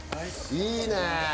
いいね！